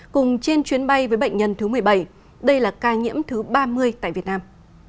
cùng trên chuyến bay với bệnh nhân thứ một mươi bảy đây là ca nhiễm thứ ba mươi tại việt nam